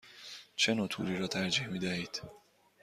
چه نوع توری را ترجیح می دهید؟